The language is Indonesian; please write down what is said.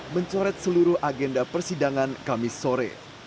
mencoret seluruh agenda persidangan kamis sore